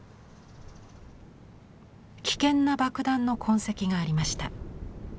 危険な爆弾の痕跡がありました。